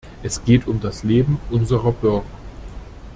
Es geht um das Leben unserer Bürger.